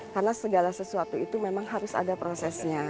karena segala sesuatu itu memang harus ada prosesnya